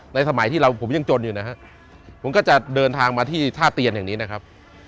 สมัยที่เราผมยังจนอยู่นะฮะผมก็จะเดินทางมาที่ท่าเตียนแห่งนี้นะครับ